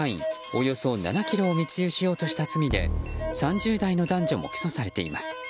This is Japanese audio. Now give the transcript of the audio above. およそ７ｋｇを密輸しようとした罪で３０代の男女も起訴されています。